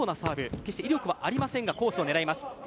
決して威力はありませんがコースを狙います。